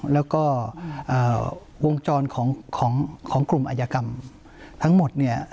แล้วก็วงจรของกลุ่มอายกรรมทั้งหมดเนี่ย